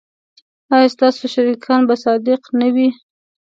ایا ستاسو شریکان به صادق نه وي؟